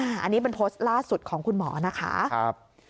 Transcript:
อันนี้เป็นโพสต์ล่าสุดของคุณหมอนะคะ